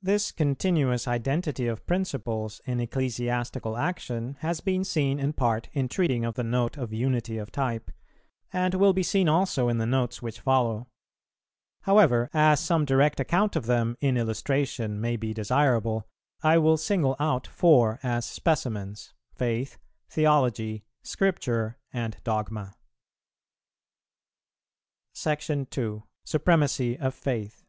This continuous identity of principles in ecclesiastical action has been seen in part in treating of the Note of Unity of type, and will be seen also in the Notes which follow; however, as some direct account of them, in illustration, may be desirable, I will single out four as specimens, Faith, Theology, Scripture, and Dogma. § 2. _Supremacy of Faith.